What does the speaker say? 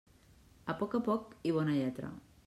A poc a poc i bona lletra.